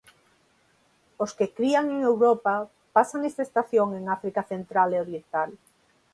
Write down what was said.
Os que crían en Europa pasan esta estación en África central e oriental.